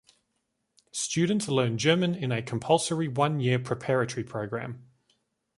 Students learn German in a compulsory one-year preparatory program.